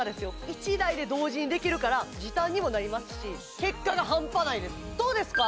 １台で同時にできるから時短にもなりますし結果がハンパないですどうですか？